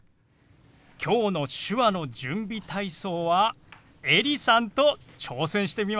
きょうの手話の準備体操はエリさんと挑戦してみませんか？